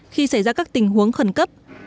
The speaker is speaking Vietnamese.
khi xảy ra các tình huống khẩn cấp